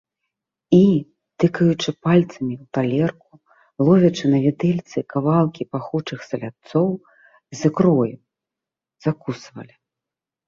І, тыкаючы пальцамі ў талерку, ловячы на відэльцы кавалкі пахучых селядцоў з ікрою, закусвалі.